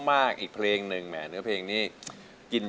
บาดลึกหรือเกิน